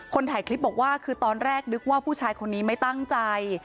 ถ่ายคลิปบอกว่าคือตอนแรกนึกว่าผู้ชายคนนี้ไม่ตั้งใจ